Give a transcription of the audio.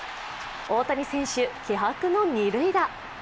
大谷選手、気迫の二塁打。